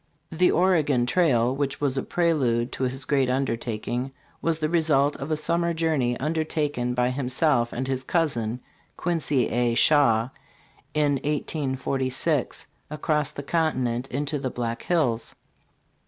"The Oregon Trail," which was a prelude to his great undertaking, was the result of a summer journey, undertaken by himself and his cousin, Quincy A. Shaw, in 1846, across the continent into the Black Hills.